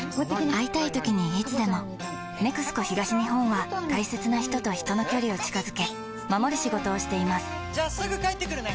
会いたいときにいつでも「ＮＥＸＣＯ東日本」は大切な人と人の距離を近づけ守る仕事をしていますじゃあすぐ帰ってくるね！